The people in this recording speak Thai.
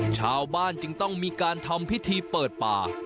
ชาวบ้านจึงต้องมีการทำพิธีเปิดป่า